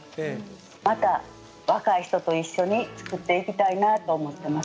また若い人と一緒に作っていきたいなと思ってます。